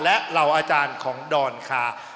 และเหล่าอาจารย์ของดอนคา